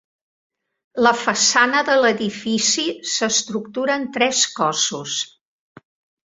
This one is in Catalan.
La façana de l'edifici s'estructura en tres cossos.